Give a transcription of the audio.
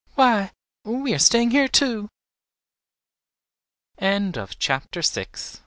"Why, we are staying here too." CHAPTER VII.